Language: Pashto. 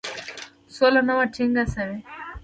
سوله نه وه ټینګه شوې.